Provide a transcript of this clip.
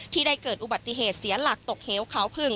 ที่ได้เกิดอุบัติเหตุเสียหลักตกเหวเขาพึ่ง